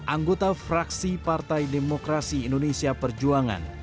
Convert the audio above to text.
anggota fraksi partai demokrasi indonesia perjuangan